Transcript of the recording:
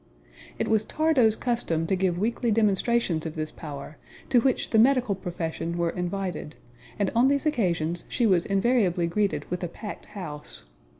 It was Thardo's custom to give weekly demonstrations of this power, to which the medical profession were invited, and on these occasions she was invariably greeted with a packed house.